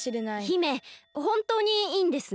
姫ほんとうにいいんですね？